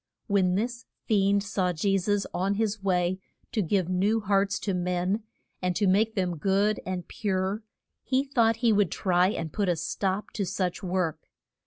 When this fiend saw Je sus on his way to give new hearts to men, and to make them good and pure, he thought he would try and put a stop to such work.